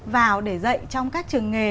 vào để dạy trong các trường nghề